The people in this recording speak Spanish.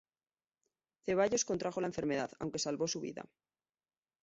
Zeballos contrajo la enfermedad, aunque salvó su vida.